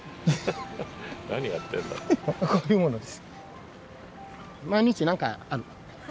こういうものです。